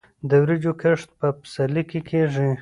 د وریجو کښت په پسرلي کې کیږي.